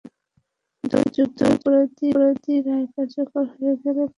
দুই যুদ্ধাপরাধীর রায় কার্যকর হয়ে গেলে পরিস্থিতি অনেকটাই স্বাভাবিক হয়ে যাবে।